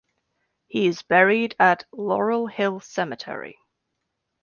He is buried at Laurel Hill Cemetery.